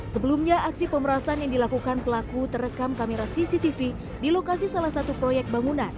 sebelumnya aksi pemerasan yang dilakukan pelaku terekam kamera cctv di lokasi salah satu proyek bangunan